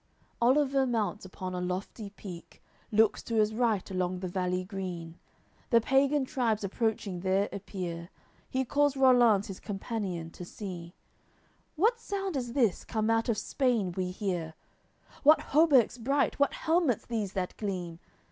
AOI. LXXX Oliver mounts upon a lofty peak, Looks to his right along the valley green, The pagan tribes approaching there appear; He calls Rollanz, his companion, to see: "What sound is this, come out of Spain, we hear, What hauberks bright, what helmets these that gleam?